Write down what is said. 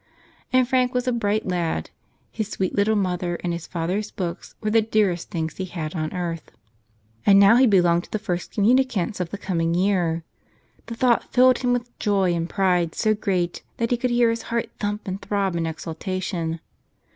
And Frank was a bright lad. His sweet little mother and his father's books were the dearest things he had on earth. And now he belonged to the first communicants of the coming year. The thought filled him with joy and pride so great that he could hear his heart thump and throb in exultation.